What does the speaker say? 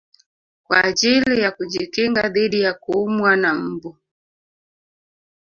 Kwa ajili ya kujikinga dhidi ya kuumwa na mbu